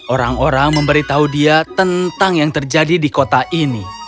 orang orang memberitahu dia tentang yang terjadi di kota ini